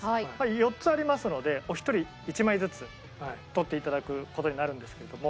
４つありますのでお一人１枚ずつ取っていただく事になるんですけれども。